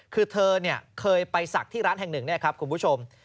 คือเธอเคยไปศักดิ์ที่ร้านแห่งหนึ่งเนี่ยครับคุณผู้ชม